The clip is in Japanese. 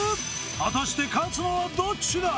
果たして勝つのはどっちだ？